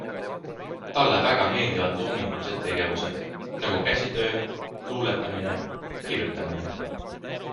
Talle väga meeldivad loomingulised tegevused, nagu käsitöö, luuletamine, kirjutamine.